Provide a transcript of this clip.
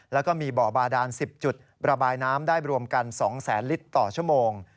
แล้วก็มีบ่อบาดาน๑๐จุดระบายน้ำได้รวมกัน๒แสนลิตรต่อชั่วโมง